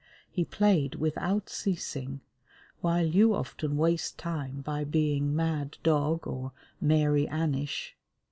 He played without ceasing, while you often waste time by being mad dog or Mary Annish.